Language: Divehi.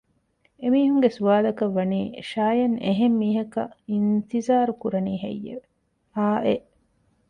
އެމީހުންގެ ސުވާލަކަށް ވަނީ ޝާޔަން އެހެން މީހަކަށް އިންތިޒާރު ކުރަނީ ހެއްޔެވެ؟ އާއެއް